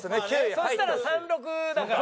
そしたら３６だから。